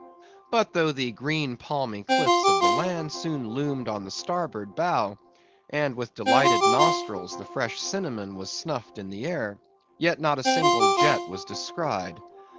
But though the green palmy cliffs of the land soon loomed on the starboard bow, and with delighted nostrils the fresh cinnamon was snuffed in the air, yet not a single jet was descried.